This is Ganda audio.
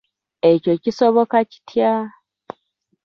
Ekyo kisoboka kitya?